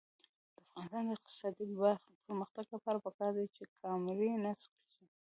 د افغانستان د اقتصادي پرمختګ لپاره پکار ده چې کامرې نصب شي.